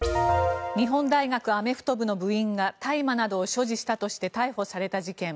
日本大学アメフト部の部員が大麻などを所持したとして逮捕された事件。